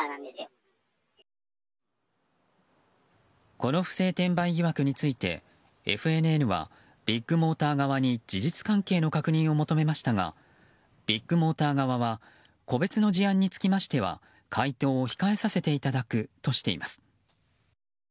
この不正転売疑惑についてＦＮＮはビッグモーター側に事実関係の確認を求めましたがビッグモーター側は個別の事案につきましては回答を控えさせていただくとしています。